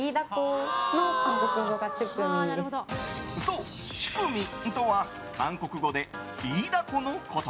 そう、チュクミとは韓国語でイイダコのこと。